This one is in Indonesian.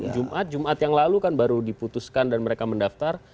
jumat jumat yang lalu kan baru diputuskan dan mereka mendaftar